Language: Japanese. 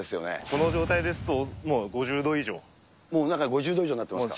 この状態ですともう５０度以中５０度以上になっています